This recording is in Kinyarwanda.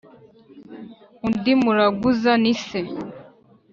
Undi muraguza ni se